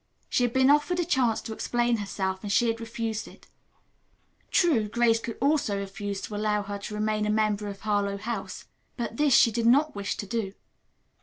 She had been offered a chance to explain herself and she had refused it. True, Grace could also refuse to allow her to remain a member of Harlowe House, but this she did not wish to do.